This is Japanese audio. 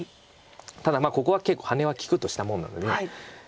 ただここは結構ハネは利くとしたもんなので。